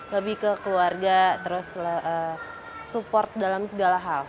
lebih ke keluarga terus support dalam segala hal